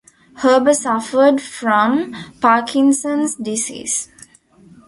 Herber suffered from Parkinson's disease.